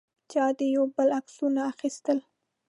چا د یو بل عکسونه اخیستل.